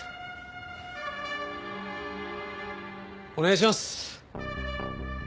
お願いします！